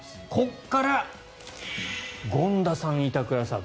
ここから権田さん、板倉さん